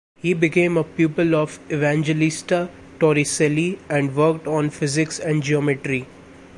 He became a pupil of Evangelista Torricelli and worked on physics and geometry.